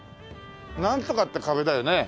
なんとかって壁だよね。